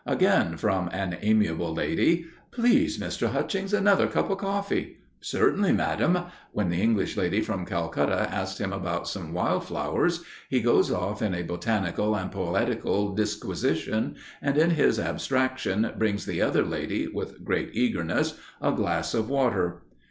Again, from an amiable lady, "Please, Mr. Hutchings, another cup of coffee!" "Certainly, Madam!" When the English lady from Calcutta asks him about some wild flowers, he goes off in a botanical and poetical disquisition, and in his abstraction brings the other lady, with great eagerness, a glass of water.